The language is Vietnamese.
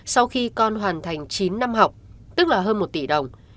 sau khi con hoàn thành chín năm học tức là hơn một tỷ đồng